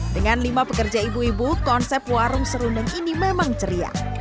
dengan lima pekerja ibu ibu konsep warung serundeng ini memang ceria